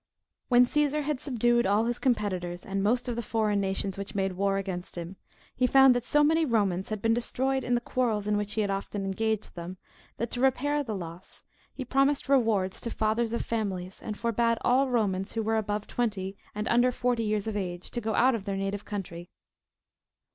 When Cæsar had subdued all his competitors, and most of the foreign nations which made war against him, he found that so many Romans had been destroyed in the quarrels in which he had often engaged them, that, to repair the loss, he promised rewards to fathers of families, and forbade all Romans who were above twenty, and under forty years of age, to go out of their native country.